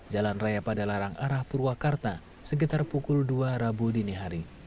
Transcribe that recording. jalan raya padalarang arah purwakarta sekitar pukul dua rabu dini hari